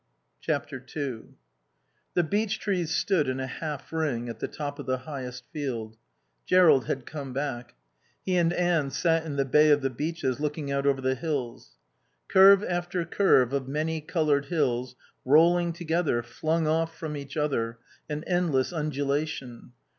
ii The beech trees stood in a half ring at the top of the highest field. Jerrold had come back. He and Anne sat in the bay of the beeches, looking out over the hills. Curve after curve of many coloured hills, rolling together, flung off from each other, an endless undulation.